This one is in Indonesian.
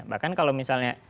bahkan kalau misalnya